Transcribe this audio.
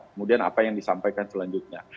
kemudian apa yang disampaikan selanjutnya